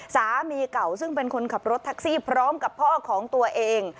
สามีเก่าซึ่งเป็นคนขับรถแท็กซี่พร้อมกับพ่อของตัวเอง